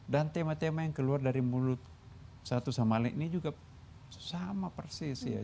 dan tema tema yang keluar dari mulut satu sama lain ini juga sama persis ya